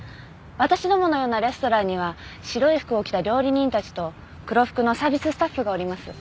私どものようなレストランには白い服を着た料理人たちと黒服のサービススタッフがおります。